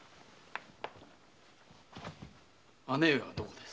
姉上はどこです？